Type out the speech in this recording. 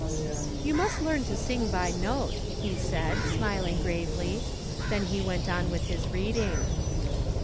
" You must learn to sing by note," he said, smiling gravely. Then he went on with his reading.